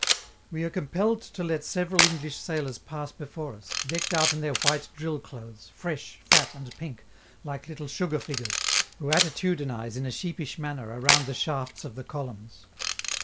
We are compelled to let several English sailors pass before us, decked out in their white drill clothes, fresh, fat, and pink, like little sugar figures, who attitudinize in a sheepish manner around the shafts of the columns.